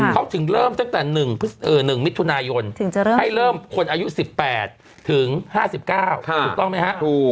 เขาถึงเริ่มตั้งแต่๑มิถุนายนให้เริ่มคนอายุ๑๘ถึง๕๙ถูกต้องไหมฮะ